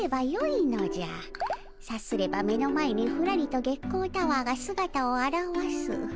さすれば目の前にふらりと月光タワーがすがたをあらわす。